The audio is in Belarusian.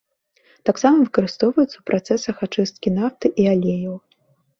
Таксама выкарыстоўваецца ў працэсах ачысткі нафты і алеяў.